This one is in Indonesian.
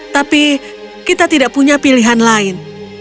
tapi kita tidak punya pilihan lain